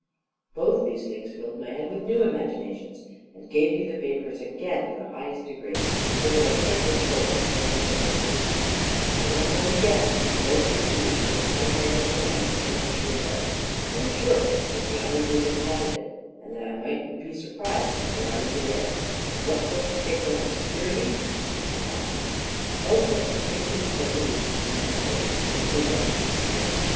Both these things filled my head with new imaginations, and gave me the vapors again to the highest degree, so that I shook with cold like one in an ague; and I went home again, filled with the belief that some man or men had been on shore there; or, in short, that the island was inhabited, and I might be surprised before I was aware; and what course to take for my security I knew not. Oh, what ridiculous resolutions men take when possessed with fear!